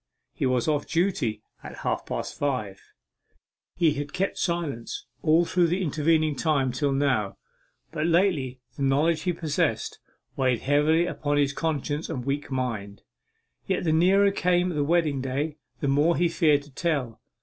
He was off duty at half past five. He has kept silence all through the intervening time till now, but lately the knowledge he possessed weighed heavily upon his conscience and weak mind. Yet the nearer came the wedding day, the more he feared to tell.